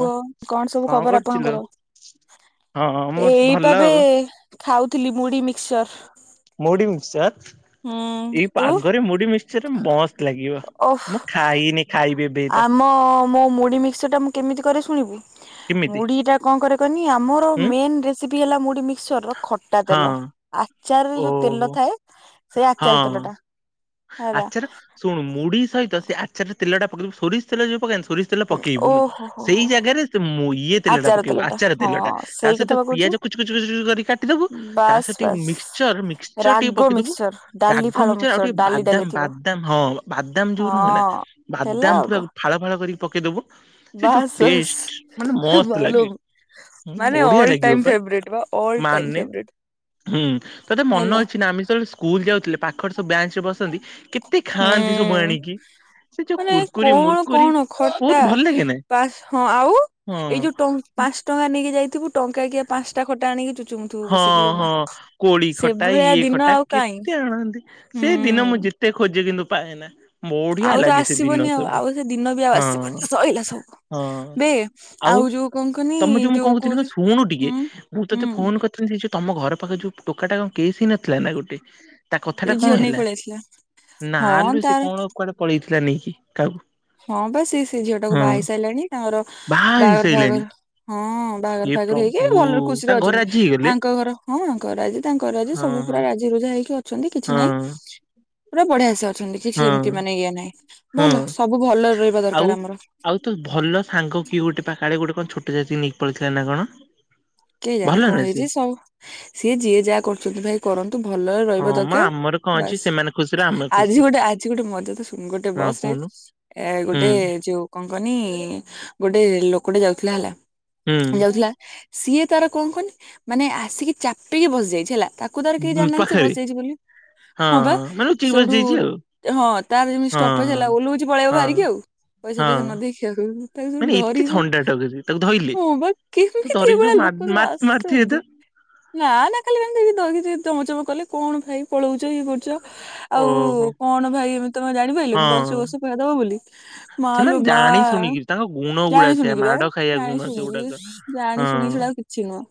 କୁହ, କଣ ସବୁ ଖବର ଆପଣଙ୍କର? ହଁ ମୋର ଭଲ ଆଉ। ଖାଉଥିଲି ମୁଢି ମିକ୍ସଚର। ମୁଢି ମିକ୍ସଚର? ହୁଁ ଏଇ ତୁ ପାଗରେ ମୁଢି ମିକ୍ସଚର ରେ ମସ୍ତ ଲାଗିବ, ଓଃ ମୁଁ ଖାଇନି ଖାଇବି ଏବେ। ତ ଆମ ମୋ ମୁଢ଼ି ମିକ୍ସଚର ଟା, ମୁଁ କେମିତି କରେ ଶୁଣିବୁ। କେମିତି ମୁଢି ଟା କଣ କରେ କହନି, ଆମର ହୁଁ ମେନ୍ ରେ ରେସିପି ହେଲା ମୁଢି ମିକ୍ସଚର ର ଖଟା ତେଲ, ହଁ ଆଚାରରେ ଯୋଉ ତେଲ ଓହୋ ଥାଏ ସେ ଆଚାର ହଁ। ତେଲ ଟା। ହେଲା। ଆଚାର, ଶୁଣୁ ମୁଢି ସହିତ ସେ ଆଚାରରେ ତେଲ ଟା [unintelligible] ସୋରିଷ ତେଲ ଯଉ ପକାନ୍ତି, ସୋରିଷ ତେଲ ପକେଇବୁନୁ ଓହୋ ହୋ ସେଇ ହୋ ଜାଗାରେ ସେ ଇଏ ତେଲ ଟା ଆଚାର ପକେଇବୁ, ଆଚାର ହଁ ତେଲଟା ତା ସେଇ ସହିତ କଥା ବା କହୁଛି। ପିଆଜ କୁଚୁ କୁଚୁ କୁଚୁ କରି କାଟିଦବୁ, ତା ବାସ୍ ସହିତ ଟିକେ ବାସ୍। ମିକ୍ସଚର ମିକ୍ସଚର ଟିକେ ରାଗ ପକେଇଦବୁ ମିକ୍ସଚର ଡାଲି ରାଗ ଫାଳ ମିକଚର ଆଉ ମିକ୍ସଚର ଟିକେ ଡାଲି ଡାଲି ବାଦାମ ଥିବ ବାଦାମ ହଁ, ବାଦାମ ଯୋଉ ହଁ ନୁହେଁ ନା ହେଲା ବାଦାମ ଆଉ ପୁରା କଣ। ଫାଳ ଫାଳ କରିକି ପକେଇଦବୁ। ସେ ଯୋଉ ବାସ୍ ବାସ୍ ଟେଷ୍ଟ ମାନେ ମସ୍ତ‌୍ ଲାଗେ। ମାଲୁମ୍ ଉଁ ମାନେ ବଢିଆ ଅଲ୍ ଲାଗିବ ଟାଇମ୍ ପା, ଫେବରେଟ୍ ବା ଅଲ୍ ଟାଇମ୍ ମାନେ ଫେବରେଟ୍। ହୁଁ ତତେ ହେଲା ମନ ଅଛି ନା, ଆମେ ଯେତେବେଳେ ସ୍କୁଲ ଯାଉଥିଲେ ପାଖରେ ସବୁ ବ୍ୟାଞ୍ଚ ରେ ବସନ୍ତି ହୁଁ। ଖାଆନ୍ତି ସବୁ ଆଣିକି। ସେ ଯୋଉ ମାନେ କୁୁରକୁରି କଣ ମୁୁରକୁରି କଣ ଖଟା, ବହୁତ ଭଲ ଲାଗେ ନା ପା ହଁ ଆଉ ଏଇ ଯଉ ଟ ପାଞ୍ଚ ଟଙ୍କା ନେଇକି ଯାଇଥିବୁ ଟଙ୍କା କିଆ ପାଞ୍ଚଟା ଖଟା ଆଣିକି, ଚୁ ହଁ ହଁ କୋଳି ଖଟା ସେଭଳିଆ ଇଏ ଦିନ ଖଟା ଆଉ କାଇଁ କେତେ ଆଣନ୍ତି, ସେଇ ଦିନ ମୁଁ ହୁଁ। ଯେତେ କେତେ ଖୋଜେ କିନ୍ତୁ ପାଏନା। ବଢିଆ ଆଉ ତ ଲାଗେ ସେ ଦିନ ଆସିବନି ଆଉ ସବୁ, ଆଉ ସେ ଦିନ ବି ଆଉ ଆସିବନି ହଁ। ସଇଲା ସବୁ ହଁ ବେ ଆଉ ଯୋଉ କଣ କହନି ତମେ ଯୋଉ ମୁଁ କହୁଥିଲ, କହୁଥି ଶୁଣୁ ଟିକେ ହୁଁ ମୁଁ ହୁଁ ତତେ ଫୋନ କରି ସେ ଯୋଉ ତମ ଘର ପାଖରେ ଯୋଉ ଟୋକା ଟା କଣ କେସ ହେଇ ନଥିଲା ନା ଗୋଟେ? ତା କଥା ଏଇ ଟା କଣ ଝିଅ ନେଇକି ହେଲା, ପଳେଇ ଆସିଲା ନା ହଁ ଲୋ ସେ ତାର କଣ କୁଆଡେ ପଳେଇଥିଲା ନେଇକି କାହାକୁ। ହଁ ବା ସେ ସେ ଝିଅ ଟାକୁ ବାହା ହଁ ହେଇ ସାରିଲାଣି, ତାଙ୍କର ବାହା ବାହାଘର ଫାହାଘର ହେଇସାଇଲାଣି ହଁ। ବାହାଘର ହେ ଫାହାଘର ହେଇକି ପ୍ରଭୁ ଭଲରେ ଖୁସିରେ ତାଙ୍କ ଘରେ ଅଛନ୍ତି। ରାଜି ହେଇଗଲେ ଆଙ୍କ ଘର ହଁ ଆଙ୍କ ରାଜି ତାଙ୍କ ରାଜି ହଁ ସବୁ ପୁରା ହଁ ରାଜି ତିରୁଧା ହେଇକି ଅଛନ୍ତି କିଛି ନାଇଁ, ହଁ ପୁରା ବଢିଆସେ ଅଛ ଏମିତି କି ହଁ ସେମିତି ମାନେ ଇଏ ନାହିଁ, ହଁ ଭଲ ସବୁ ଭଲରେ ରହିବା ଆଉ ଦରକାର ଆମର। ଆଉ ତ ଭଲ ସାଙ୍ଗ କିଏ ଗୋଟେ ପା କାଳେ ଗୋଟେ କଣ ଛୋଟ ଜାତି ନେଇକି ପଳେଇଥିଲା ନା କଣ? କେ ଜାଣି ଭଲ କଣ ନା ସିଏ? ହେଇଛି ସବୁ, ସିଏ ଯିଏ ଯାହା କରୁଛନ୍ତି ଭାଇ କରନ୍ତୁ ଭଲରେ ହଁ ରହିବା ମ ଦରକାର, ଆମର କଣ ଅଛି ବାସ୍। ସେମାନେ ଖୁସିରେ ଆମେ ଆଜି ଖୁସି ଗୋଟେ ଆଜି ଗୋଟେ ମଜା କଥା ଶୁଣ, ଗୋଟେ ହଁ ବସ ରେ କହୁନୁ ଏ ଗୋଟେ ହୁଁ ଯୋଉ କଣ କହନି, ଗୋଟେ ଲୋକଟେ ଯାଉଥିଲା ହେଲା। ହୁଁ। ଯାଉଥିଲା ସିଏ ତାର କଣ କହନି, ମାନେ ଆସିକି ଚାପିକି ବସିଯାଇଛି ହେଲା, ତାକୁ କୁ ତାର କେହି ହୁଁ ଜାଣିନାହାନ୍ତି ସେ ପାଖରେ ବସିଯାଇଛି ବୋଲି, ହଁ ବା ମାନେ ଲୁଚେଇକି ସେଠୁ ବସିଯାଇଛି ଆଉ। ହଁ ତାର ଯେମିତି ହଁ ଷ୍ଟପେଜ ହଁ ହେଲା ଓଲଉଛି ପଳେଇବ ହଁ ବାହାରିକି ଆଉ ପଇସା ପଇସା ହଁ ନ ଦେଖିବାକୁ ତାକୁ ସେଠୁ ମାନେ ଏତେ ଧରିଛୁ ଥଣ୍ଡା ଟକରେ ତାକୁ ଧଇଲେ? ହଁ ବା ତାକୁ କେମିତି? ଧରିକି ଯୋଉ କିଭଳିଆ ମା ଲୋକ ସବୁ ମା ମାରିଥିବେ ତ ଆସୁଛନ୍ତି? ନା ନା ଖାଲି ଏମିତି ଦହିକି ଟିକେ ଚମକି କଲେ କଣ ଭାଇ ପଳଉଛ ଇଏ କରୁଛ। ଆଉ ଓହୋ କଣ ଭାଇ ଏମିତି ତମେ ଜାଣିପାରିଲନି ବସରେ ହଁ। ବସୁ ପଇସା ଦବ ବୋଲି। ମା ସେମାନେ ଲୋ ମା ଜାଣି ଶୁଣିକିରି ତାଙ୍କ ଗୁଣ ଗୁଡା ଜାଣି ଶୁଣି ସେୟା କି ବା ମାଡ ଖାଇବା ଜାଣି ଗୁଣ ଶୁଣିକି ସେଗୁଡାକ ଜାଣି ପୁଣି ହଁ ଛଡା ଆଉ କିଛି ନୁଁହ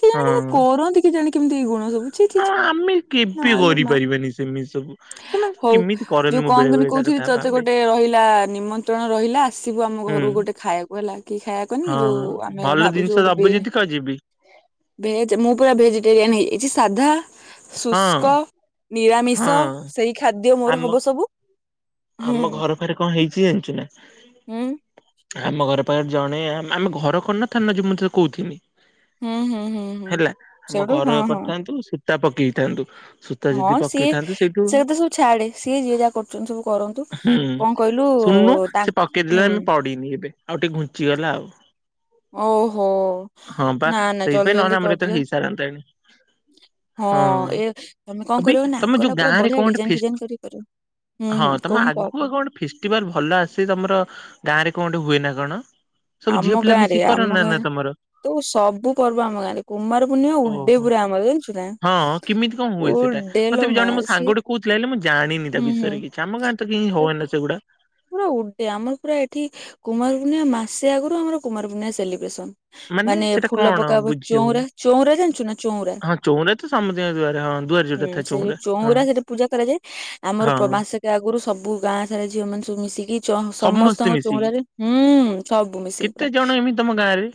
କେ ଜାଣି କେମିତି ହଁ। କରନ୍ତି କେ ଜାଣି କେମିତି ଏଇ ଗୁଣ ସବୁ? ଛି ଛି ହଁ ଛି ଆମେ କେବେ ମା ଲୋ ମା କରିପାରିବାନି ସେମିତି ସବୁ। ସେମାନେ ସବୁ ହଉ କେମିତି କରନ୍ତି ଯୋଉ ମୁଁ କଣ ବେଳେ କହନି ବେଳେ କହୁ ତା ଏଥି କଥା ତତେ ଭାବେ ଗୋଟେ ରହିଲା ନିମନ୍ତ୍ରଣ ରହିଲା ଆସିବୁ ଆମ ହୁଁ ଘରକୁ ଗୋଟେ ଖାଇବାକୁ ହେଲା। କି ଖାଇବା କହନି ହଁ। ଯୋଉ ଆମେ ଭଲ ଜିନିଷ ଭାବୁଛୁ ଗୋଟ ଦବୁ ବି ଯଦି ଖୋଜିବି ଭେଜ ମୁଁ ପୁରା ଭେଜିଟେରିଆନ ହେଇ ଯାଇଛି ସାଧା ହଁ ଶୁଷ୍କ ହଁ ନିରାମିଷ ସେଇ ଖାଦ୍ୟ ମୋର ଆମ ହବ ସବୁ। ହୁଁ ଆମ ଘର ପାଖରେ କଣ ହେଇଛି ଜାଣିଛୁ ନା? ହୁଁ ଆମ ଘର ପାଖରେ ଜଣେ ଆମ ଘର କରନଥନ୍ତୁନା ତା ନା ମୁଁ ଯୋଉ ତତେ କହୁଥିନି। ହୁଁ ହୁଁ ହୁଁ ହୁଁ ହେଲା ଆମ ସେଇଠୁ ଘର ହଁ ହଁ କରିଥାନ୍ତୁ ସୂତା ପକେଇଥାନ୍ତୁ ହଁ ଯଦି ସିଏ ପକେଇଥାନ୍ତୁ ସେଇଠୁ ସେକଥା ସବୁ ଛାଡେ ସିଏ ଯିଏ ଯାହା କରୁଛନ୍ତି ସବୁ କରନ୍ତୁ। ହୁଁ କଣ କହିଲୁ ଶୁଣନୁ ସେ ତାଙ୍କୁ ପକେଇଦେଲା ହୁଁ ଆମେ ପଡିନି ଏବେ ଆଉ ଟିକେ ଘୁଞ୍ଚିଗଲା ଆଉ। ଓହୋ ହଁ ବା ନା ନା ଜଲଦି ସେଇଥିପାଇଁ ନହେଲେ ଜଲଦି ଆମର ଏତେ କରିଦିଅ। ହେଇସାରନ୍ତାଣି ହଁ ଏ ତମେ କଣ ଅବି କରିବ ନା ତମେ ଆଗ ଯୋଉ ଟା ପୁରା ଗାଁ ରେ ବଢିଆ କଣ ଗୋଟେ ଡିଜାଇନ ଫେଷ୍ ଫିଜାଇନ କରି କରିବ। ହୁଁ ହଁ ହୁଁ ତମ କହୁନୁ କହ ଆଗକୁ କହ କଣ ଫେଷ୍ଟିଭାଲ ଭଲ ଆସେ ତମର ଗାଁରେ କଣ ଟେ ହୁଏ ନା କଣ? ସବୁ ଝିଅ ଆମ ପିଲା ଗାଁ ରେ ମିଶିକି ଆମ କରନା ନା ଗାଁରେ ତମର? ତ ସବୁ ପର୍ବ ଆମ ଗାଁ ରେ କୁମାର ପୂର୍ଣ୍ଣିମା ଉଡେ ଓହୋ ପୁରା ଆମର ଜାଣିଛୁ ନା। ହଁ କେମିତି କଣ ହୁଏ ସେଇଟା ଉଡେଲୋ ମତେ ବି ମା ଜଣେ ମୋ ସିଏ ସାଙ୍ଗ ଟେ କହୁଥିଲା ହେଲେ ମୁଁ ଜାଣିନି ତା ହୁଁ ହୁଁ। ବିଷୟରେ କିଛି। ଆମ ଗାଁରେ ତ କାଇଁ ସେ ହୁଏନା ସେଗୁଡା। ପୁରା ଉଡେ ଆମର ପୁରା ଏଠି କୁମାର ପୂର୍ଣ୍ଣିମା ମାସେ ଆଗୁରୁ ଆମର କୁମାର ପୂର୍ଣ୍ଣିମା ସେଲିବ୍ରେସନ। ମାନେ ସେଟା ଫୁଲ କଣ ପକା ହୁଏ ବୁଝି ହଉନି। ଚଉଁରା ଚଉଁରା ଜାଣିଚୁ ନା ଚଉଁରା? ହଁ ଚଉଁରା ତ ସମସ୍ତିଙ୍କ ଦୁଆରେ ହଁ ଦୁଆରେ ହୁଁ ଯୋଉଟା ଥାଏ ସେ ଯୋଉ ହଁ ଚଉଁରା ସେଠି ପୂଜା କରାଯାଏ ଆମର ହଁ। ପ୍ର ମାସେ ସେ ଆଗରୁ ସବୁ ଗାଁ ସାରା ଝିଅ ମାନ ସବୁ ମିଶିକି ସମସ୍ତେ ଚଁ-ସମସ୍ତଙ୍କ ମିଶିକି ଚଉଁରାରେ ହୁଁ ସବୁ ମିଶିକି କେତେ ପୁରା ଜଣ ଏମିତି ତମ ଗାଁ ରେ।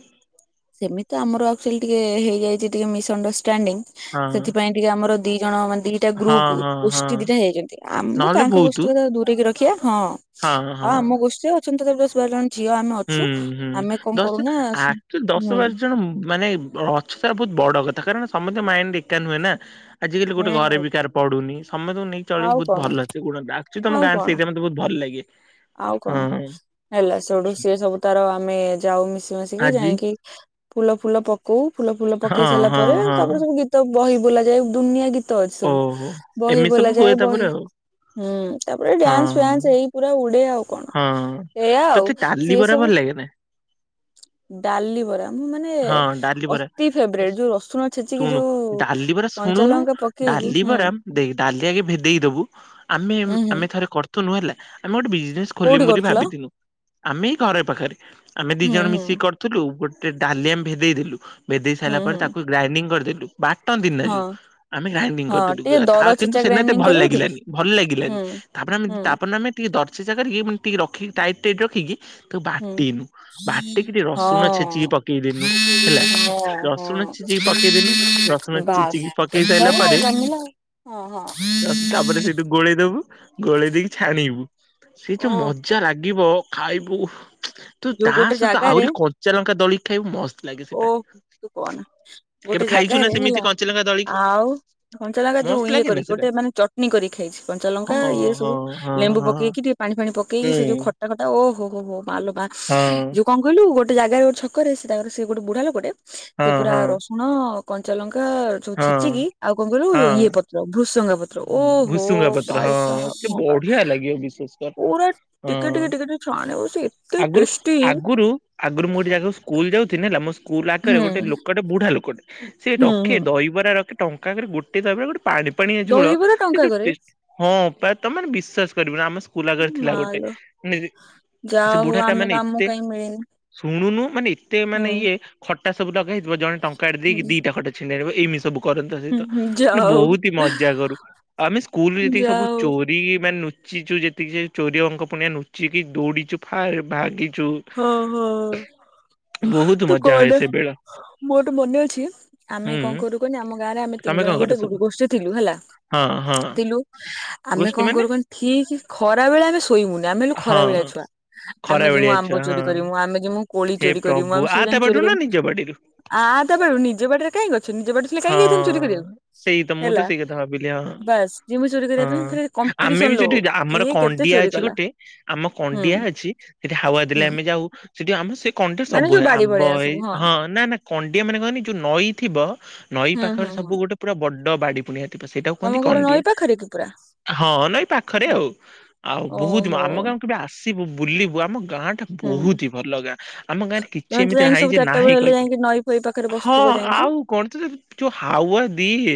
ସେମିତି ଆମର ଆକଚୁଲି ଟିକେ ହେଇଯାଇଚି ଟିକେ ମିସଅଣ୍ଡରଷ୍ଟାଣ୍ଡି ହଁ। ସେଥିପାଇଁ ଟିକେ ଆମର ଦି ଜଣ ମାନେ ଦିଟା ହଁ ଗ୍ରୁପୁ ହଁ ହଁ ଗୋଷ୍ଟି ଦିଟା ହେଇଯାଇଚନ୍ତି। ଆମ ନହେଲେ ତାଙ୍କ ବହୁତୁ ଗୋଷ୍ଟି କଥା ଦୂରେଇିକି ରଖ୍ ଖିଆ ହଁ ହଁ ଆଉ ହଁ। ଆମ ଗୋଷ୍ଟିରେ ଅଛନ୍ତି ତଥାବି ଦଶ ବାର ଜଣ ଝିଅ ଆମେ ହୁଁ ଅଛୁ ହୁଁ ଆମେ କଣ ଦଶ କରୁନା ସା ଆକ୍ଚୁଆଲି ଦଶ ବାର ଜଣ ମାନେ ଅଛ ତାର ବହୁତ ବଡ କଥା କାରଣ ସମସ୍ତଙ୍କ ମାଇଣ୍ଡ ଏକା ନୁହେଁ ନା। ଆଜିକାଲି ଗୋଟେ ଘରେ ହୁଁ ବି କାହାର ପଡୁନି ସମତେଙ୍କୁ ନେଇକି ଚଳିବୁ ଆଉ ବହୁତ୍ କଣ ଭଲ ସେ ଗୁଣ ଟା। ସେ ତମ ଆଉ ଗାଁ କଣ ସେଇଥିଆଇଁ ମତେ ବହୁତ୍ ଭଲ୍ ଲାଗେ ଆଉ କଣ ହଁ। ହେଲା ସେଠୁ ସିଏ ସବୁ ତାର ଆମେ ଯାଉ ମିଶି ମାଶିକି ଆଜି ଯାଇଁକି ଫୁଲ ଫୁଲ ପ କୋଉ ଫୁଲ ଫୁଲ ହଁ ପକେଇ ସାରିଲା ହଁ ପରେ ହଁ ତାପରେ ସବୁ ଗୀତ ବହି ବୋଲାଯାଏ ଦୁନିଆ ଗୀତ୍ ତ ଅଛି ଓହୋ ସବୁ। ବହି ଏମିତି ସବୁ ବୋଲା ହୁଏ ଯାଏ ତାପରେ ବହି ଆଉ ହୁଁ ତାପରେ ଡ୍ୟାନ୍ସ ହଁ ଫ୍ୟାନ୍ସ ହେଇ ପୁରା ଉଡେ ଆଉ। କଣ ହଁ ଏଇଆ ଆଉ ତତେ ଡାଲି ବରା ଭଲ୍ ଲାଗେନା? ଡାଲିବରା ମୁଁ ମାନେ ବରା। ଅତି ଫେବରେଟ୍ ଯୋଉ ରସୁଣ ଛେଚିକି ଶୁଣୁ ଯୋଉ ଡାଲି ବରା କଞ୍ଚା ଶୁଣୁନୁ ଲଙ୍କା ପକେଇକି ହୁଁ ଡାଲିବରା ଦେଖ୍ ଡାଲି ଆଗେ ଭେଦେଇଦବୁ ଆମେ ହୁଁ ହୁଁ ଆମେ ଥରେ କରୁଥୁନୁ ହେଲା ଆମେ ଗୋଟେ ବିଜ୍ କୋଉଠି ଖୋଲିମୁ ବୋଲି କରୁଥିଲ ଭାବିଥିନୁ ଆମେ ଏଇ ଘର ପାଖେରେ ଆମେ ଦି ହୁଁ ଜଣ ହୁଁ ମିଶିକି କରି ଥିଲୁ ଗୋଟେ ଡାଲି ଆମେ ଭେଦେଇଦେଲୁ ଭେଦେଇ ସାରିଲା ହୁଁ ପରେ ହୁଁ ତାକୁ ଗ୍ରାଇଣ୍ଡିଙ୍ଗ କରିଦେଲୁ। ବାଟନ୍ତିନା ହଁ ଯୋଉ ଆମେ ଗ୍ରାଇଡିଙ୍ଗ୍ ହଁ କରିଦେଲୁ ଟିକେ ତା ଦର କିନ୍ତୁ ଛେଚା ସେଦିନ ଏତେ ଗ୍ରାଇଣ୍ଡିଙ୍ଗ ଭଲ୍ କରିବୁ ଠିକ ଲାଗିଲାନି ଭଲ ଲାଗିଲାନି। ହୁଁ ତାପରେ ଆମେ ହୁଁ ତାପରେ ଆମେ ଟିକେ ଦର୍ଶିଜା କରିକି ଟିକେ ରଖିକି ଟାଇଟ ଟାଇଟ୍ ରଖିକି ତାକୁ ବାଟିନୁ ହୁଁ ବାଟିକି ଟିକେ ରସୁଣ ଛେଚିକି ହଁ ପକେଇଦେନୁ ହେଲା ହଁ ରସୁଣ ଛେଚିକି ପକେଇଦେନୁ ହଁ। ରସୁଣ ଛେଚିକି ପକେଇ [inaudible] ସାରିଲା ପରେ ହଁ ହଁ। ଗୋଳେଇଦବୁ ଗୋଳେଇ ଦେଇକି ଛାଣିବୁ ସେ ଯୋଉ ଓହୋ ମଜା ଲାଗ ଗିବ ଖାଇବୁ ଓହ୍ ତୁ ତା ସହିତ ଆହୁରି କଞ୍ଚାଲଙ୍କା ଦଳି ଓଃ ତୁ କନା କେବେ ଗୋଟେ ଖାଇଛୁ ନା ଜାଗାରେ ସେମିତି ହେଲା କଞ୍ଚାଲଙ୍କା ଦଳିକି ଆଉ କଞ୍ଚାଲଙ୍କା ଯୋଉ ମସ୍ତ ଇଏ ଲାଗେ ନା କରିକି ସେଟା ଗୋଟେ ମାନେ ଚଟନି କରିକି ଖାଇଚି କଞ୍ଚାଲଙ୍କା ହଁ ଇଏ ସବୁ ହଁ ହଁ ଲେମ୍ବୁ ହଁ ପକେଇକି ଟିକେ ପାଣି ଫାଣି ପକେଇକି ହୁଁ ସେ ଯୋଉ ଖଟା ଖଟା ଓହୋ ହୋ ହୋ ମାଲୋମା ହଁ ଯୋ କଣ କହିଲୁ ଗୋଟେ ଜାଗାରେ ଗୋଟେ ଛକରେ ସେ ତାଙ୍କର ସେ ଗୋଟେ ବୁଢା ଲୋକଟେ ସେ ହଁ ପୁରା ହଁ ରସୁଣ କଞ୍ଚାଲଙ୍କା ସବୁ ହଁ ଛେଚିକି ଆଉ କଣ କହିଲୁ ହଁ ଇଏ ପତ୍ର ଭୃସଙ୍ଗା ପତ୍ର ଓହୋ ଭୁସୁଙ୍ଗା ପତ୍ର ଭାଇ ହଁ ସାହାବ କି ହଁ ପା ବଢିଆ ଲାଗିବ ବିଶ୍ଵାସ୍ କର୍। ପୁରା ହଁ ଟିକେ ଟିକେ ଟିକେ ଟିକେ ଛାଣିବୁ ସେ ଏତେ ଆଗୁରୁ ଟେଷ୍ଟି ଅଗୁରୁ ଆଗୁରୁ ମୁଁ ଗୋଟେ ଯାଗାକୁ ସୁ ସ୍କୁଲ ଯାଉଥିନି ହେଲା ମୋ ସ୍କୁଲ ଆଗେରେ ହୁଁ ଗୋଟେ ଲୋକଟେ ବୁଢା ଲୋକଟେ ସେ ହୁଁ ରଖେ ହୁଁ। ଦହି ରା ରଖେ ଟଙ୍କାକରେ ଗୋଟେ ଦହିବରା ଗୋଟେ ପାଣିପାଣିଆ ଝୋଳ ଦହିବରା ସେ ଟଙ୍କା ଯୋଉ କରେ ଟେଷ ହଁ ପ୍ରାୟ ତମେ ମାନେ ବିଶ୍ଵାସ କରିବନ ଆମ ସ୍ ସ୍କୁଲ ଆଗରେ ଥିଲା ଗୋଟେ ମାଲୋ ନି-ସେ ଯାହା ହଉ ବୁଢା ଟା ଆମେ ମାନେ ଆମକୁ ଏତେ କାହିଁ ମିଳିନି। ଶୁଣୁନୁ ମାନେ ଏତେ ହୁଁ ମାନେ ଇଏ ଖଟା ସବୁ ଲଗା ହେଇଥିବ ଜଣେ ଟଙ୍କାଟେ ଦେଇକି ହୁଁ ଦିଟା ଖଟା ଚି ଛିଣ୍ଡେଇଦବ ଏମିତି ସବୁ କରନ୍ତି ତା ହୁଁ ସହିତ ହୁଁ ମାନେ ଯାଉ ବହୁତି ମଜା ଜାଗରୁ ଆମେ ସ୍କୁଲରେ ଯେତିକି ସବୁ ଯାଉ ଚୋରି କି ମାନେ ନୁଚିଚୁ ଯେତିକି ସେ ଚୋରି ଅଙ୍କ ପଣିଆ ନୁଚିକି ଦୌଡିଚୁ ଫାଳେ ଭାଗିଚୁ ହଁ ହଁ ଅ ବହୁତ ତୁ ମଜା ହୁଏ କଣ ସେ ବେଳ ମୋର ମନେ ଅଛି ହୁଁ ଆମେ କଣ କରୁ କୁହନି ଆମ ଗାଁରେ ଆମେ ତମେ ତିନି କଣ ଜଣ କର ଗୋଟ ଗ ସବୁ ଗୋଷ୍ଟି ଥିଲୁ ହେଲା ହଁ ହଁ ଥିଲୁ ଆମେ ଗୋଷ୍ଠୀ କଣ ମାନେ କରୁ କହ ଠିକ ଖରା ବେଳେ ଆମେ ଶୋଇବୁନି ଆମେ ହେଲୁ ଖରା ହଁ ବେଳିଆ ଛୁଆ ଖରା ଆମେ ଯିମୁ ବେଳିଆ ଆମ୍ବ ଛୁଆ ହଁ ଚୋରି କରିମୁଁ ଆମେ ଜିମୁ କୋଳି ହେ ଚୋରି କରିବୁ ପ୍ରଭୁ ଆମେ ଆ ସବୁ ତା ଯାଇି ଚୋରି ବାଟରୁ ନା କରି ନିଜ ବାଡିରୁ ଆ ଆ ତା ବେଳୁ ନିଜ ବାଡିରେ କାହିଁକି ଅଛି ନିଜ ବାଡି ଥିଲେ କାହିଁକି ହଁ ଯାଇଥାନ୍ତି ଚୋରି କରିବାକୁ ସେଇ ତ ମୁଁ ତ ହେଲା ସେଇ କଥା ଭାବିଲି ହଁ ବାସ୍ ଯିମୁ ଚୋରି ହଁ କରିବା ପାଇଁ ଫେରେ ଆମେ କମ୍ପିଟିସନ ବି ଲୋ ଯଦି ଯା ଆମର କିଏ କେତେ କଣ୍ଡିଆ ଚୋରି ଅଛି କଲା ଗୋଟେ ଆମ ହୁଁ କଣ୍ଡିଆ ଅଛି ସେଠି ହାୱା ଦେଲେ ହୁଁ ଆମେ ଯାଉ ସେଠି ଆମ କଣ୍ଡି ସବୁ ମାନେ ଯୋଉ ହୁଏ ବାଡି ଆମ୍ବ ଭଳିଆ ଏଇ ସବୁ ହଁ ନା ନା କଣ୍ଡିଆ ମାନେ କହନି ଯୋଉ ନଈ ଥିବ ନଈ ହୁଁ ହୁଁ ପାଖରେ ହୁଁ ସବୁ ଗୋଟେ ପୁରା ବଡ ବାଡି ପୁଣିହାତି ସେଇଟା ତମ କୁହନ୍ତି ଘର କଣ୍ଡିଆ ନଈ ପାଖରେ କି ପୁରା ହଁ ନାଁଇ ପାଖରେ ଆଉ ଆଉ ବହୁତମ୍ ଓହୋ ଆମ ଗାଁ କେବେ ଆସିବୁ ବୁଲିବୁ ଆମ ଗାଁ ଟା ହୁଁ ବହୁତ ହି ଭଲ ଗାଁ। ଆମ ଗାଁରେ କିଛି ତମେ ତ ଏମିତି ଯାଇକି ନାହିଁ ସବୁ ଯେ ଚାରିଟା ନାହିଁ ବେଳେ ହେଲେ କହିକି ଯାଇକି ନଈ ଫଇ ପାଖରେ ହଁ ବସୁଥିବ ଯାଇକି ଆଉ କଣ ତୁ ଯୋଉ ହାୱା ଦିଏ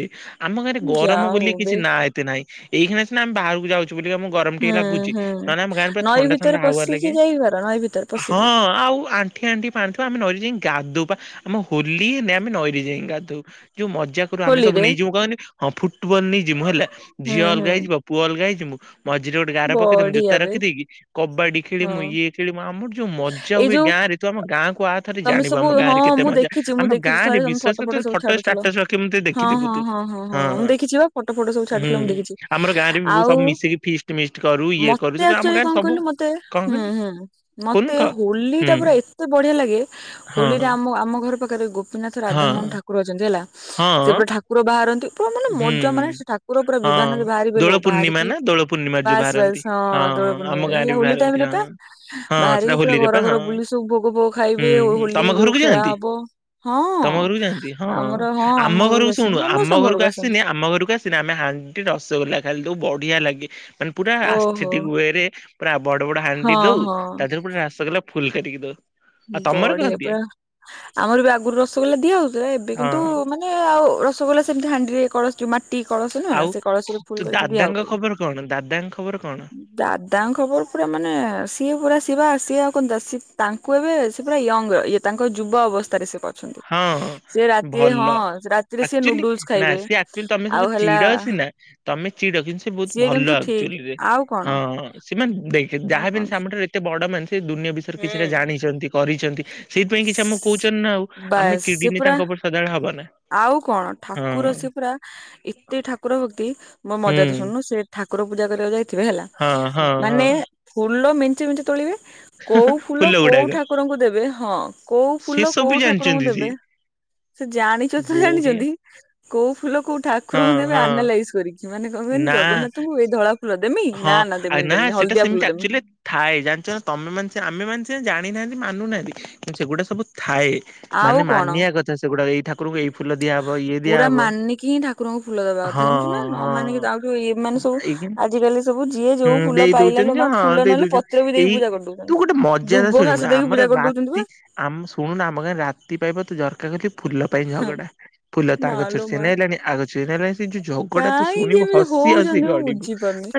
ଆମ ଗାଁରେ ଯା ଗରମ ହଉ ବୋଲି ବେ କିଛି ନା ନାଁ ଏତେ ନାଇଁ ଏଇ ଖିେ ସିନା ଆମ ବାହାରକୁ ଯାଉଛୁ ବୋଲି ଆମ ଗରମ ହୁଁ ଟିକେ ଲାଗୁଚି ହୁଁ ନହଲେ ଆମ ଗାଁରେ ପୁରା ନଈ ଥଣ୍ଡା ଥଣ୍ଡା ଭିତରେ ହୱା ପଶିକି ଲାଗେ ଯାଇପାର ନଈ ଭିତରେ ପଶିକି ହଁ ଆଉ ଆଣ୍ଠିଏ ଆଣ୍ଠିଏ ପାଣିଥିବା ଆମେ ନଈରେ ଯାଇ ଗାଧୁ ପା ଆମ ହୋଲିଲେ ଆମେ ନଈରେ ଯାଇ ଗାଧଉ। ଯଉଁ ମଜ୍ଜାକ୍ [unintelligible] ଆମେ ସବୁ ହୋଲିରେ ନେଇଯିବୁ କହନି ହଁ ଫୁଟବଲ ନେଇଯିମୁ ହେଲା ହୁଁ ଝିଅ ଅଲଗା ହୁଁ ହେଇଯିବ ପୁଅ ଅଲଗ ହେଇଯିବୁ ମଝିରେ ଗୋଟେ ଗାର ପକେଇଦମୁ ଜୋତା ବଢିଆ ବେ ରଖିଦେଇକି କବାଡି ହଁ ଖେଳିମୁ ଇଏ ଖେଳିମୁ ଆମର ଯୋଉ ମଜା ଏଇ ହୁଏ ଯୋଉ ଯେ ତୁ ଆମ ଗାଁକୁ ଆ ଥରେ ତମେ ଜାଣିବୁ ସବୁ ଆମ ହଁ ଗାଁରେ କେତେ ମୁଁ ମଜା। ଦେଖିଚି ମୁଁ ଆମ ଦେଖିଚି ଗାଁରେ ଥରେ ତମେ ବିଶ୍ୱାସ ଫଟୋ କର ତୁ ଫଟ ସବୁ ଛାଡୁଥିଲ। ଷ୍ଟାଟସ୍ ରଖିବୁ ମୁଁ ତତେ ହଁ ଦେଖିଥିବୁ ହଁ ତୁ ହଁ ହଁ ହଁ ମୁଁ ଦେଖିଛି ବା ଫଟୋ ଫଟୋ ସବୁ ଛାଡୁଥିଲ ମୁଁ ହୁଁ। ଦେଖିଛି ଆମର ଗାଁରେ ବି ଆଉ ସବୁ ମିଶିକି ଫିଷ୍ଟ ମିଷ୍ଟ କରୁ ଇଏ କରୁ ମତେ ସେ ଆମ ଆକ୍ଚୁଆଲି ଗାଁରେ କଣ ସବୁ କହିଲୁ ମତେ କଣ ହୁଁ କହନି ହୁଁ କହୁନୁ ମତେ କହ ହୋଲି ଟା ହୁଁ। ପୁରା ଏତେ ବଢିଆ ଲାଗେ ହୋଲିରେ ହଁ, ଆମ ଆମ ଘର ପାଖରେ ଗୋ ଗୋପୀନାଥ ହଁ, ରାଧାମୋହନ ଠାକୁର ଅଛନ୍ତି ହେଲା ହଁ, ସେପଟ ଠାକୁର ବାହାରନ୍ତି ପୁରା ମାନେ ହୁଁ, ମୋଜ ମାନେ ସେ ଠାକୁର ପୁରା ହଁ, ବିମାନହରେ ବାହାରିବେ ଲ ଦୋଳ ପୂର୍ଣ୍ଣିମା ବାହାରିକି ନା ଦୋଳ ପୂର୍ଣ୍ଣିମାରେ ଯୋଉ ବାସ୍ ବାହାରନ୍ତି। ବାସ୍ ହଁ ଦୋଳ ଆମ ପୂର୍ଣ୍ଣିମାରେ ଗାଁରେ ହେଲା ବି ହୋଲି ବାହାରନ୍ତି ଟାଇମରେ ହଁ, ପା ହଁ, ସେଟା ବାହାରିକି ପୁରା ହୋଲିରେ ଘର ପା ଘର ହଁ, ବୁଲି ସବୁ ଭୋଗ ଫାଗ ଖାଇ ହୁଁ, ଏବେ ହୋଲି ତମ ଯୋଉ ଘରକୁ ଖେଳା ଯାଆନ୍ତି? ହବ ହଁ ତମ ଘରକୁ ଯାଆନ୍ତି ହଁ, ଆମର ହଁ ଆମ ଘରୁ ଘରକୁ ଶୁଣୁ ଆମ ସମସ୍ତଙ୍କ ଘରକୁ ଆସିନି ଆସନ୍ତି ଆମ ଘରକୁ ଆସିନା ଆମେ ହାଣ୍ଡି ରସଗୋଲା ଖାଲି ଦବ ବଢିଆ ଲାଗେ ମାନେ ପୁରା ଓହୋ ଆସ୍ତେଥିକ୍ ୱେ ରେ ପୁରା ବଡ ବଡ ହାଣ୍ଡି ହଁ ଦଉ ହଁ ତା ଦେହରେ ପୁରା ହ୍ରାସ କଲେ ଫୁଲ୍ କାଟି କି ଦଉ ଆଉ ତମର କଣ ବଢିଆ ଦିଅ? ପା ଆମର ବି ଆଗରୁ ରସଗୋଲା ଦିଆହଉଥିଲା ଏବେ ହଁ, କିନ୍ତୁ ମାନ ଏ ଆଉ ରସଗୋଲା ସେମିତି ହାଣ୍ଡିରେ କଳସ ଯୋ ମାଟି କଳସ ନୁହେଁ ନା ଆଉ ସେ କଳସରେ ତୋ ଫୁଲ୍ କରିକି ଦିଆ ଦାଦାଙ୍କ ହଉଥିଲା ଖବର କଣ? ଦାଦାଙ୍କ ଖବର କଣ? ଦାଦାଙ୍କ ଖବର ପୁରା ମାନେ ସିଏ ପୁରା ସିବା ସିଏ ଆଉ ଙ୍କ ଦ ତାଙ୍କ କୁ ଏବେ ସେ ପୁରା ୟଙ୍ଗ ଇଏ ତାଙ୍କ ଯୁବ ଅବସ୍ଥାରେ ସେ ପ ହଁ ଭଲ ରାତିରେ ସିଏ ଆକ୍ଚୁଆଲି ନୁଡୁଲସ ନା ଖାଇବେ ସିଏ ଆଚୁଆଲି ତମେ ଆଉ ସବୁ ହେଲା ଚିଡ ସିନା ତମେ ଚିଡ କିନ୍ତୁ ସେ ବହୁତ ସିଏ ଭଲ କିନ୍ତୁ ଠିକ ଆକ୍ଚୁଲିରେ ଆଉ କଣ ହଁ ସେମାନେ ଦେଖେ ଆଉ ଯାହା ବି ହେଲେ କଣ। ସେ ଆମ ଠାରୁ ଏତେ ବଡ ମାନେ ସେ ଦୁନିଆ ବିଷୟରେ କିଛିଟା ହୁଁ। ଜାଣିଛନ୍ତି କରିଛନ୍ତି ସେଇଥିପାଇଁ କିଛି ଆମକୁ କହୁଛନ୍ତି ନା ଆଉ ଆମେ ବାସ୍ ସେ ଚଡିିନି ପୁରା ତାଙ୍କ ଉପରେ ସଦାବେଳେ ହବ ନା ଆଉ କଣ ଠାକୁର ହଁ ସେ ପୁରା, ଏତେ ଠାକୁର ଭକ୍ତି ମୋ ମଜା ତ ହୁଁ। ଶୁଣନୁ ସେ ଠାକୁର ପୂଜା କରିବାକୁ ଯାଇଥିବେ ହେଲା ହଁ ହଁ ହଁ ମାନେ ଫୁଲ ମେଂଚେ ମେଞ୍ଚେ ତୋଳିବେ କୋଉ ଫୁଲ କୋଉ ଠାକୁରଙ୍କୁ ଦେବେ ହଁ କୋଉ ସେ ଫୁଲ ସବୁ କୋଉ ଠାକୁରଙ୍କୁ ଜାଣିଛନ୍ତି ସିଏ। ଦେବେ ସେ ଜାଣିଛ ତ ବଢିଆ ଜାଣିଛନ୍ତି କୋଉ ଫୁଲ କୋଉ ହଁ ଠାକୁରଙ୍କୁ ଦେବେ ହଁ ଆନାଲାଇଜ କରିକି। ସେମାନେ କହିବି ନା ଜଗନ୍ନାଥଙ୍କୁ ଏଇ ଧଳା ଫୁଲ ଦେମି? ହଁ ନା ନା ଆ ଦେମିନି ଦେମିନି ସେଟା ହଳଦିଆ ସେମିତି ଫୁଲ ଦେମି। ଆକ୍ଚୁଆଲି ଥାଏ ଜାଣିଛ ତମେ ମାନ ଆମେ ମାନଛେ ଜାଣିନାହାନ୍ତି ମାନୁନାହାନ୍ତି କିନ୍ତୁ ସେଗୁଡା ସବୁ ଥାଏ। ଆଉ ମାନେ କଣ ମାନିବା କଥା ସେଗୁଡା ଏଇଠା ପୁରା ମାନିକି ହିଁ ଠାକୁରଙ୍କୁ ଫୁଲ ଦବା ହଁ କଥା ଜାଣିଛୁ ନା। ନ ହଁ ମାନିକି ଆଉ ଏମାନେ ସବୁ ଏଇ ଆଜିକାଲି ସବୁ ଯିଏ ହୁଁ ଯୋଉ ଫୁଲ ଦେଇ ପାଇଲା ଲୋ ଦଉଛନ୍ତି ଯେ ମା ହଁ ଫୁଲ ଦେଇ ନହେଲେ ଦଉଛନ୍ତି ପତ୍ର ବି ଦେଇକି ଏଇ ପୂଜା ତୁ କରିଦଉଛନ୍ତି। ଗୋଟେ ମଜାରେ ଦୁବ ଶୁଣିବୁ ଘାସ ଦେଇକି ଆମର ପୂଜା କରି ଦଉ ରାତି [unintelligible] ଆମ ଶୁଣୁନୁ ଆମ କାହିଁ ରାତି ପାଇବା ତୁ ଦରକା କିବୁ [unintelligible] ଫୁଲ ପାଇଁ ଝଗଡା। ଫୁଲ ତା ଗଛରୁ ମାଲୋ ସେ ମା। ନେଲାଣି ଆଗ ଗଛରୁ ଏ ନେଲାଣି ସେ ଝଗଡା ତ କାହିଁକି ଶୁଣିବୁ ଏମିତି ହସି ହସି ହଉଛନ୍ତି ମୁଁ ଗଡିବୁ ବୁଝିପାରୁନି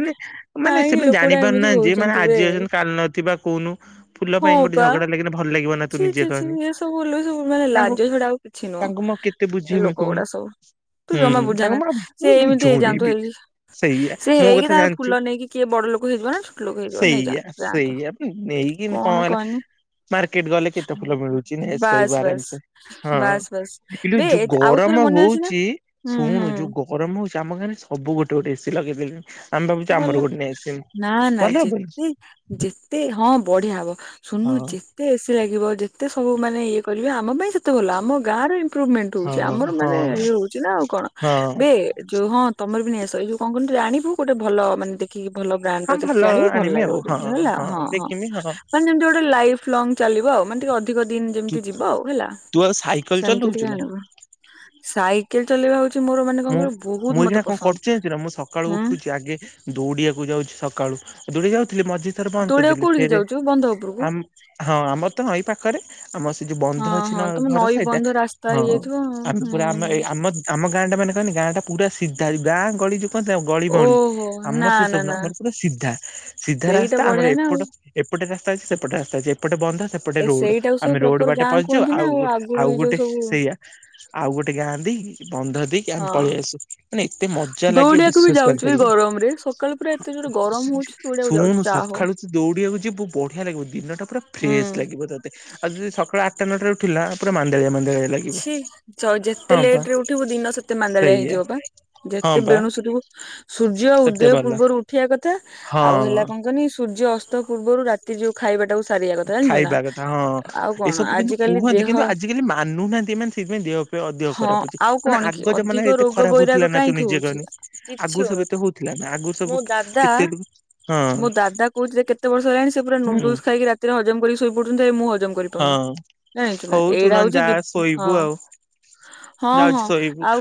ମାନେ ମାନେ କାହିଁକି ସେମାନେ ଲୋକଗୁଡା ଏମିତି ଜାଣିପାରୁନାହାନ୍ତି ଯି ମାନେ ହଉଛନ୍ତି ବେ। ଆଜି ଅଛନ୍ତି କାଲି ନଥିବା କୋଉନୁ ଫୁଲ ହଁ ପାଇଁ ଗୋଟେ ପା ଝଗଡା। କି ଭଲ ଲାଗିବ ନା ତୁ ଛି ଛି ନିଜେ ଛି କହନି। ଏ ସବୁ ଲୋ ସବୁ ମାନେ ତାଙ୍କୁ ଲାଜ ଛଡା ଆଉ କିଛି ନୁହଁ। ତାଙ୍କୁ ମୁଁ କେତେ ଏ ବୁଝେଇମି ଲୋକ କହୁନୁ? ଗୁଡା ସବୁ ତୁ ଜମା ହୁଁ। ତାଙ୍କୁ ବୁଝାନା ମୁଁ ସେ ଆଉ ଏମିତି ବୁଝଉନି ହେଇଯାଆନ୍ତୁ ବି ହେଇକି। ସେଇା ସେ ମୋ ହେଇକି କଥା ତାଙ୍କର ଫୁଲ ଜାଣିଛୁ। ନେଇକି କିଏ ବଡ ଲୋକ ହେଇଯିବ ନା ଛୋଟ ଲୋକ ହେଇଯିବ ସେଇଆ ନେଇଯାଆନ୍ତୁ ଯାଆନ୍ତୁ ସେଇଆ ବେ ନେଇକି କଣ ହେଲା? ମାର୍କେଟ ଗଲେ କେତେ ଫୁଲ ମିଳୁଛି। ନେଇଆସିପାରିବୁ ବାସ୍ ବାସ୍ ଆରାମସେ। ହଁ। ବାସ୍ ବାସ୍ ଇଲୋ ବେ ଯୋଉ ଆଉ ଗରମ ଥରେ ମନେ ଅଛି ନା ହଉଛି। ହୁଁ ହୁଁ ଶୁଣୁ ଯୋଉ ଗରମ ହଉଛି ଆମ ଗାଁରେ ସବୁ ଗୋଟେ ଗୋଟେ ଏସି ଲଗେଇଦଲେଣି। ଆମ ଭାବୁ ଆମର ଭଲ ଗୋଟେ ନେଇ ଆସିବୁ ନା ନା ଭଲ ଯେତେ ହବନି ଯେତେ ହଁ ବଢିଆ ହବ। ଶୁଣୁନୁ ହଁ ଯେ ଯେତେ ଏଶୀ ଲାଗିବ ଯେତେ ସବୁ ମାନେ ଇଏ କରିବେ ଆମ ପାଇଁ ସେ କେତେ ଗଲା ଆମ ଗାଁରେ ଇମ୍ପପ୍ରୁଭମେଣ୍ଟ ହଁ ହଉଛି। ଆମର ହଁ ମାନେ ଇଏ ହଉଛି ନାଉ କଣ? ହଁ। ବେ ଯୋଉ ହଁ ତମର ବି ନେଇ ଆସ। ଏଇ ଯଉ କଣ କଣ ଆଣିବୁ ଗୋଟେ ଭଲ ମାନେ ଦେ ଦେଖିକି ଭଲ ବ୍ରାଣ୍ଡ ହଁ ର ଭଲ ଦେଖି ଆଣିବୁ ଭଲ ଆଣିମି ଆଉ ଲାଗିବ ହଁ ଯେମିତି ହେଲା। ହଁ ହଁ ଦେଖିମି ମାନେ ଯେମିତି ଗୋ ଲାଇଫ ଲଙ୍ଗ ଚାଲିବ ଆଉ ମାନେ ଟିକେ ଅ ଅଧିକ ଦିନ ତୁ ଯେମିତି ଯିବ ଆଉ ହେଲା। ତୁ ଆଉ ସାଇକେଲ ସେମିତି ଚଲଉଛୁ ଟିକେ ନା? ଆଣିବୁ। ସାଇକେଲ ଚଲେଇବା ହଉ ମୁଁ ମୁଁ ଏଇକିନା କଣ କରୁଛି ଜାଣିଛୁ ନା? ମୁଁ ସକାଳୁ ହୁଁ ଉଠୁଛି ଆଗେ ଦୌଡିିବାକୁ ଯାଉଛି ସକାଳୁ। ଦୁଡି ଯାଉଥିଲି ମଝି ଥରେ ବନ୍ଦ ଦୌଡିବାକୁ କରିଦେଲି କୋଉଠିକି ଫେରେ। ଯାଉଛୁ ବନ୍ଧ ଉପରକୁ ହଁ। ଆମର ତ ହଁ ଏଇ ପା କରେ। ଆମର ସେ ଯୋଉ ବନ୍ଧ ହଁ ଅଛି ହଁ ନା ତମ ଘର ନଈ ସହିତ ବନ୍ଧ ରାସ୍ତା ହଁ ହେଇଯାଇଥିବ ଆଉ। ଆମେ ପୁରା ଆମ ଏ ହୁଁ ଆମ ଆମ ଗାଁ ଟା ମାନେ କହନି ଗାଁ ଟା ପୁରା ସିଧା। ଗାଁ ଗଳି ଯୋଉ କୁହ ଗଳି ଭଉଳି ଓହୋ ଆମର ନା ସେ ନା ସବୁ ନାହିଁ। ନା ଆମର ପୁରା ସିଧା ସିଧା ସେଇଟା ରାସ୍ତା ଆମର ବଢିଆ ନା ଆଉ ଏପଟ ଏପଟେ ରାସ୍ତା ଅଛି। ସେପଟେ ରାସ୍ତା ଅଛି। ଏପଟେ ବନ୍ଧ। ସେ ପଟେ ଏ ରୋଡ ସେଇଟାକୁ ସବୁ ଆମେ ରୋଡ ପ୍ରପର ବାଟେ ଗାଁ ପସିଯାଉ କୁହନ୍ତି ନା ଆଉ। ଆଗରୁ ଆଉ ଏଇ ଯୋଉ ଗୋଟେ ସବୁ ସେଇଆ ଆଉ ଗୋଟେ ଗାଁ ଦେଇକି ବନ୍ଧ ଦେ କ ହଁ ପଳେଇ ଆସୁ ମାନେ ଏତେ ମଜା ଲାଗେ ଦୌଡିବାକୁ ବି ବିଶ୍ୱାସ ଯାଉଛୁ ଏଇ କରିପାରିବୁ ଗରମ ରେ ସକାଳୁ ପୁରା ଏତେ ଜୋରେ ଗରମ ହଉଛି ଦୌଡିବାକୁ ଯାଉଛୁ। ଶୁଣୁ ଯା ହଉ ସକାଳୁ ତୁ ଦୌଡିବାକୁ ଯିବୁ ବଢିଆ ଲାଗିବ। ଦିନ ଟା ପୁରା ଫ୍ରେଶ ହୁଁ ଲାଗିବ ତ ତେ ଆଉ ଯଦି ସକାଳ ଆଠଟା ନଅଟା ରେ ଉଠିଲା ପୁରା ମାନ୍ଦାଳିଆ ମାନ୍ଦାଳିଆ ଲାଗି ଛି। ଯେତେ ଲେଟ ରେ ଉଠିବୁ ଦିନ ସେତେ ସେତେ ମାନ୍ଦାଳିଆ ସେଇଆ ହେଇଯିବ ପା। ହଁ ଯେତେ ପା ବେଣୁସୁ ଉଠିବୁ ସୂର୍ଯ୍ୟ ସେତେ ଉଦୟ ଭଲ ପୂର୍ବରୁ ଉଠିବା କଥା। ହଁ ଆଉ ହେଲା କଣ କହନି ସୂର୍ଯ୍ୟ ଅସ୍ତ ପୂର୍ବରୁ ରାତି ଏ ଯୋଉ ଖାଇବାଟାକୁ ସାରିବା କଥା ଜାଣିଛୁ ନା। ଖାଇବା କଥା ହଁ ଆଉ କଣ ଏସବୁ କିନ୍ତୁ ଆଜିକାଲି କୁହନ୍ତି ଦେହ କିନ୍ତୁ ଆଜିକାଲି ମାନୁନାହାନ୍ତି ଏମାନେ ସେଇଥିପାଇଁ ଦେହ ଫେହ ଅଧିକ ହଁ ଖରାପ ହଉଛି। ଆଉ ମାନେ କଣ କି ଆଗ ଜମାନାରେ ଅଧିକ ଏତେ ରୋଗ ଖରାପ ହଉଥିଲା ବୈରାଗ ନା ତୁ କାହିଁକି ନିଜେ ହଉଛି? କହନି କିଛି ଆଗରୁ ସବୁ ହୋଉ ଏତେ ହଉଥିଲା ନା ଆଗରୁ ସବୁ ମୁଁ ଦାଦା କେତେ ହଁ ମୋ ଦାଦା କହୁଚି ସେ କେତେ ବର୍ଷ ହେଲାଣି ସେ ପୁରା ହୁଁ ନୁଡୁଲୁସ୍ ଖାଇକି ରାତିରେ ହଜମ କରିକି ଶୋଇ ପଡୁଛନ୍ତି ଭାଇ ମୁଁ ହଜମ କରିପାରୁନି। ହଁ ନା ଜାଣିଚୁ ନା ହଉ ତୁ ଏଇଡା ନହେଲେ ହଉଚି ଯା ଦି ଶୋଇବୁ ହଁ। ଆଉ ହଁ ଯାଉଛି ହଁ ଶୋଇବୁ। ଆଉ